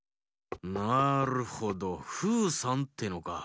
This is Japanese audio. なるほどフーさんってえのか。